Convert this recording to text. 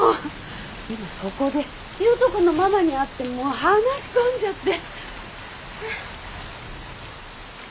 今そこで悠人君のママに会って話し込んじゃって。